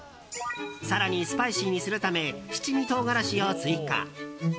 更にスパイシーにするため七味唐辛子を追加。